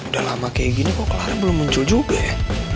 udah lama kayak gini kok kelarnya belum muncul juga ya